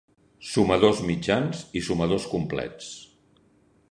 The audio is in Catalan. Sumadors mitjans i sumadors complets.